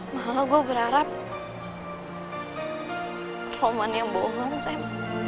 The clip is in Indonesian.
malah gue berharap roman yang bohong sam